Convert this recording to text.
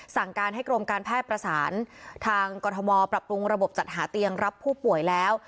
สั่งการให้กรมการแพทย์ประสานทางกรทมปรับปรุงระบบจัดหาเตียงรับผู้ป่วยแล้ว